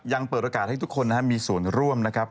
ยังเปิดโอกาสให้ทุกคนมีส่วนร่วมนะครับ